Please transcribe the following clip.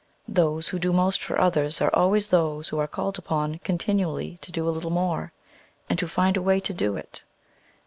Those who do most for others are always those who are called upon continually to do a little more, and who find a way to do it.